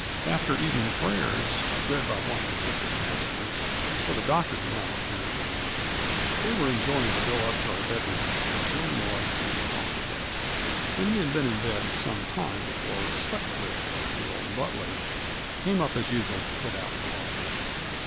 After evening prayers, read by one of the assistant masters, for the Doctor did not appear again, we were enjoined to go up to our bedrooms with as little noise as possible ; and we had been in bed some time before Sut cliffe, the old butler, came up as usual to put out the lights.